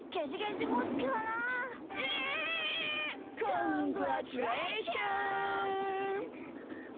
・コングラッチュレーション！